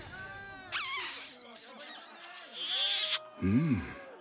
うん。